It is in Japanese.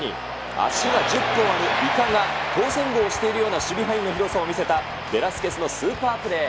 足が１０本あるイカが通せんぼをしているような守備範囲の広さを見せた、ベラスケスのスーパープレー。